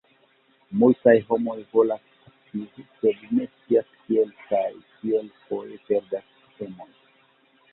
Multaj homoj volas aktivi, sed ne scias kiel kaj tiel foje perdas emon.